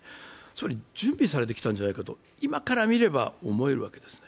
つまり準備されてきたんじゃないかと今から見たら思えるわけです。